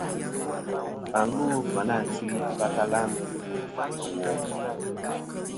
Và lu a Ɨfyanatwi va tala ndu a Womboŋ.